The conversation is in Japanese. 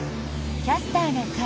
「キャスターな会」。